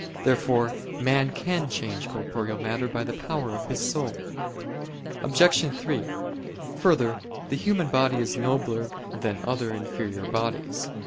Therefore man can change corporeal matter by the power of his soul. Obj. 3: Further, the human body is nobler than other inferior bodies.